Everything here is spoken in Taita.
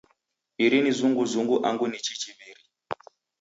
Iri ni zunguzungu angu ni chichiw'iri?